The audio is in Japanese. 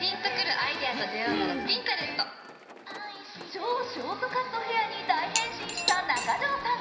超ショートカットヘアに大変身した中条さん。